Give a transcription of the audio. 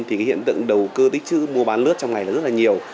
thì cái hiện tượng đầu cơ tích chữ mua bán lướt trong này là rất là nhiều